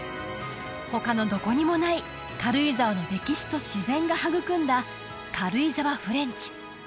他のどこにもない軽井沢の歴史と自然が育んだ軽井沢フレンチ